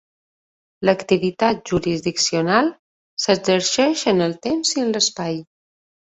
L'activitat jurisdiccional s'exerceix en el temps i en l'espai.